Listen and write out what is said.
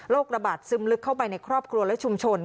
ระบาดซึมลึกเข้าไปในครอบครัวและชุมชน